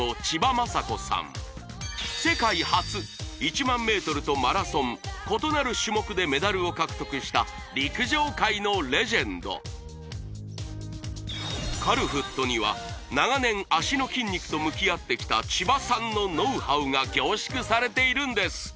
世界初１００００ｍとマラソン異なる種目でメダルを獲得した陸上界のレジェンドカルフットには長年脚の筋肉と向き合ってきた千葉さんのノウハウが凝縮されているんです